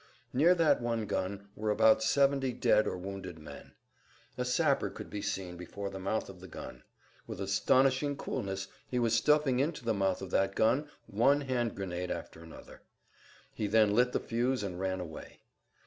Near that one gun were about seventy dead or wounded men. A sapper could be seen before the mouth of the gun. With astonishing coolness he was stuffing into the mouth of that gun one hand grenade after another. He then lit the fuse and ran away.